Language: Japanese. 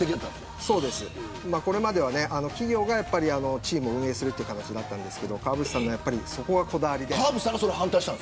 これまでは企業がチームを運営する形だったんですけど川淵さんは、そこはこだわりで。